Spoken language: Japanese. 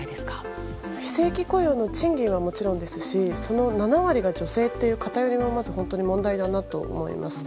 非正規雇用の賃金はそうですしその７割が女性っていう片寄りがまず問題だなと思います。